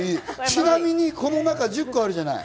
ちなみにこの中、１０個あるじゃない。